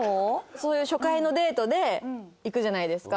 そういう初回のデートで行くじゃないですか。